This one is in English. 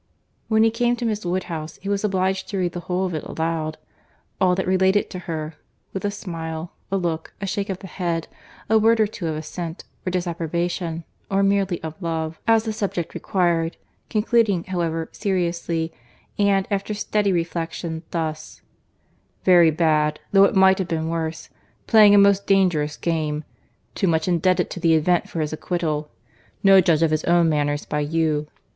When he came to Miss Woodhouse, he was obliged to read the whole of it aloud—all that related to her, with a smile; a look; a shake of the head; a word or two of assent, or disapprobation; or merely of love, as the subject required; concluding, however, seriously, and, after steady reflection, thus— "Very bad—though it might have been worse.—Playing a most dangerous game. Too much indebted to the event for his acquittal.—No judge of his own manners by you.